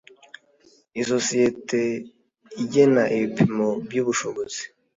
isosiyete igena ibipimo by ubushobozi